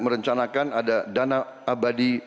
rencanakan ada dana abadi